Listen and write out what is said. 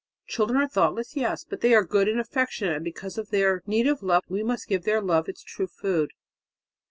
Children are thoughtless yes, but they are good and affectionate; and because of their need of love, we must give their love its true food."